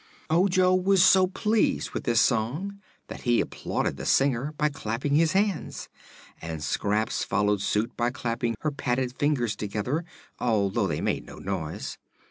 Ojo was so pleased with this song that he applauded the singer by clapping his hands, and Scraps followed suit by clapping her padded fingers together, although they made no noise.